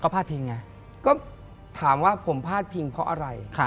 ผมพลาดพิงเพราะอะไร